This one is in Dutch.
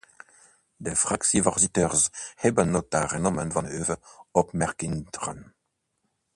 De fractievoorzitters hebben nota genomen van uw opmerkingen.